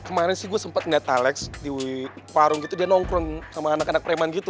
kemarin sih gue sempat ngeliat talex di parung gitu dia nongkrong sama anak anak preman gitu